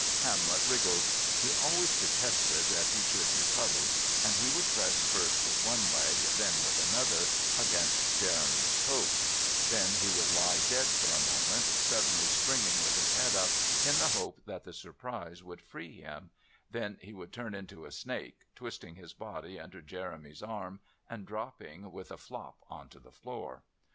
Hamlet wriggled. He always detested that he should be cuddled, and he would press first with one leg, then with another, against Jeremy's coat; then he would lie dead for a moment, suddenly springing, with his head up, in the hope that the surprise would free him; then he would turn into a snake, twisting his body under Jeremy's arm, and dropping with a flop on to the floor.